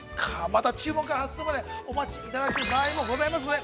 また、注文から発送までお待ちいただく場合もございますので